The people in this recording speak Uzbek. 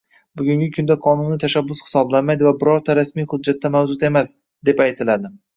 bugungi kunda qonuniy tashabbus hisoblanmaydi va bironta rasmiy hujjatda mavjud emas», – deb aytiladi.